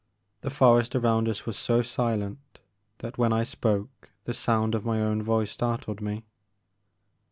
The forest around us was so silent that when I spoke the sound of my own voice startled me.